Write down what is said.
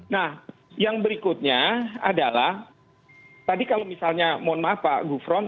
nah yang berikutnya adalah tadi kalau misalnya mohon maaf pak gufron